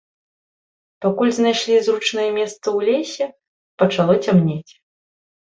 Пакуль знайшлі зручнае месца ў лесе, пачало цямнець.